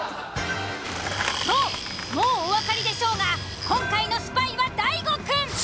そうもうおわかりでしょうが今回のスパイは大悟くん。